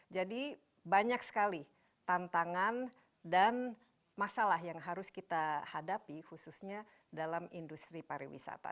jadi banyak sekali tantangan dan masalah yang harus kita hadapi khususnya dalam industri pariwisata